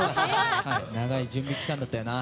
長い準備期間だったよな。